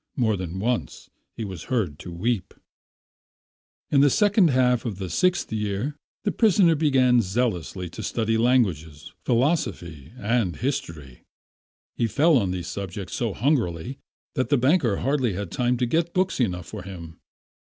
More than once he was heard to weep. In the second half of the sixth year, the prisoner began zealously to study languages, philosophy, and history. He fell on these subjects so hungrily that the banker hardly had time to get books enough for him.